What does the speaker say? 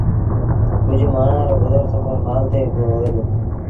ڪجه مآڻهآݩ رو گزر سڦر مآل تي بآ هوئي دو